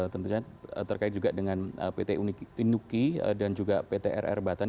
tentunya terkait juga dengan pt induki dan juga pt rr batan